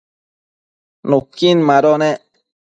nuquin mado nec